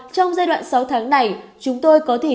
trong giai đoạn sáu tháng này chúng tôi có thể